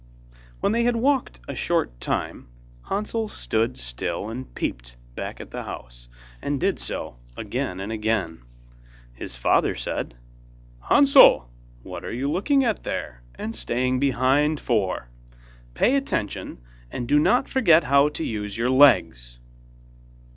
When they had walked a short time, Hansel stood still and peeped back at the house, and did so again and again. His father said: 'Hansel, what are you looking at there and staying behind for? Pay attention, and do not forget how to use your legs.